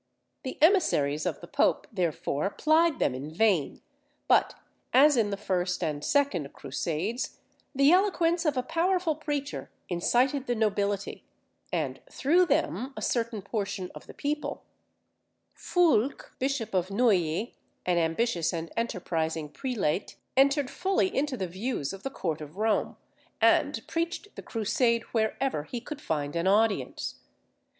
The emissaries of the pope therefore plied them in vain; but as in the first and second Crusades, the eloquence of a powerful preacher incited the nobility, and through them a certain portion of the people; Foulque bishop of Neuilly, an ambitious and enterprising prelate, entered fully into the views of the court of Rome, and preached the Crusade wherever he could find an audience.